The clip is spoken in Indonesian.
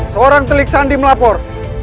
seorang telik sandi melapor